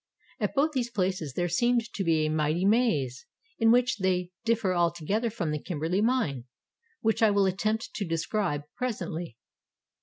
At both these places there seemed to be a "mighty maze," — in which they dif fer altogether from the Kimberley mine which I will attempt to describe presently.